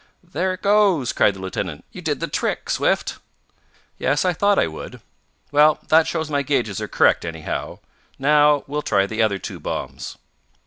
"There it goes?" cried the lieutenant. "You did the trick, Swift!" "Yes, I thought I would. Well, that shows my gauges are correct, anyhow. Now we'll try the other two bombs."